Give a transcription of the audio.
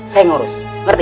saya yang ngurus ngerti